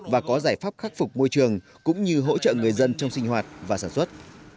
và có giải pháp khắc phục môi trường cũng như hỗ trợ người dân trong sinh hoạt và sản xuất